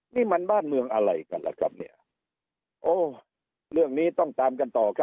นี่มันบ้านเมืองอะไรกันล่ะครับเนี่ยโอ้เรื่องนี้ต้องตามกันต่อครับ